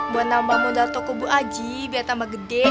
buat nambah modal toko bu aji biar tambah gede